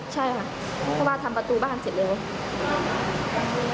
ใช่ค่ะเขาบ้านทำประตูบ้านเสร็จเลย